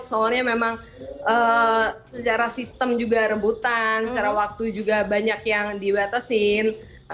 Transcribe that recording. soalnya memang secara sistem juga rebutan secara waktu juga banyak yang dibatasin